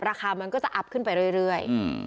ราคามันก็จะอัพขึ้นไปเรื่อย